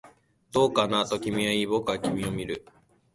どうかな、と君は言い、僕は君を見る